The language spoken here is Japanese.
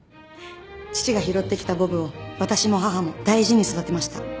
父が拾ってきたボブを私も母も大事に育てました。